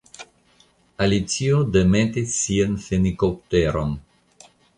Alicio demetis sian fenikopteron.